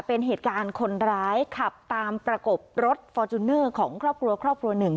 เป็นเหตุการณ์คนร้ายขับตามประกบรถฟอร์จูเนอร์ของครอบครัวครอบครัวหนึ่ง